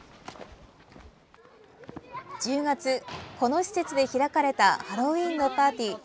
１０月この施設で開かれたハロウィーンのパーティー。